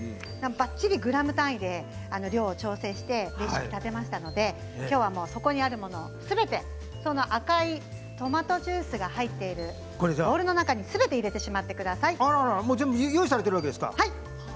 ばっちりグラム単位で量を調整してみましたのできょうはそこにあるものすべて赤いトマトジュースが入っているボウルの中にすべて入れて全部用意されているわけですか。